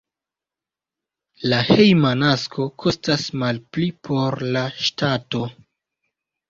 La hejma nasko kostas malpli por la ŝtato.